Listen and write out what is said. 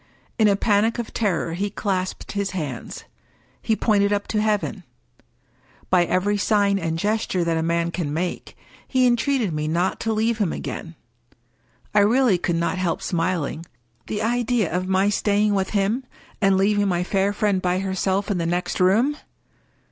In a panic of terror he clasped his hands; he pointed up to heaven. By every sign and gesture that a man can make, he entreated me not to leave him again. I really could not help smiling. The idea of my staying with him, and leaving my fair friend by herself in the next room!